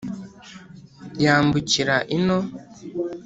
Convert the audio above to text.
yambukira ino.